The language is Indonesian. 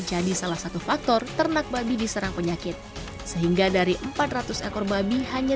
jadi salah satu faktor ternak babi diserang penyakit sehingga dari empat ratus ekor babi hanya